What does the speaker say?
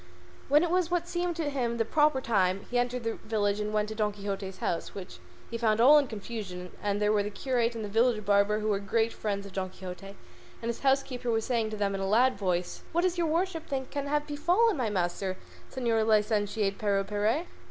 When it was what seemed to him the proper time he entered the village and went to Don Quixote's house, which he found all in confusion, and there were the curate and the village barber, who were great friends of Don Quixote, and his housekeeper was saying to them in a loud voice, "What does your worship think can have befallen my master, Señor Licentiate Pero Perez?"